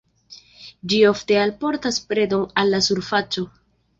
Ĝi ofte alportas predon al la surfaco.